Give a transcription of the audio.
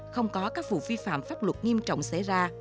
không có các vụ vi phạm pháp luật nghiêm trọng xảy ra